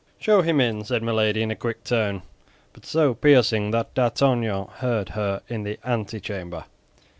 "Show him in," said Milady, in a quick tone, but so piercing that D'Artagnan heard her in the antechamber.